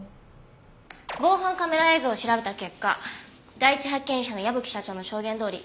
防犯カメラ映像を調べた結果第一発見者の矢吹社長の証言どおり